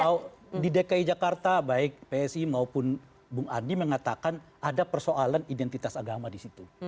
kalau di dki jakarta baik psi maupun bung adi mengatakan ada persoalan identitas agama di situ